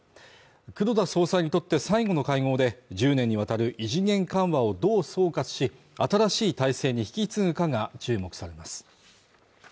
黒田総裁にとって最後の会合で、１０年にわたる異次元緩和をどう総括し、新しい体制に引き継ぐかが注目されます。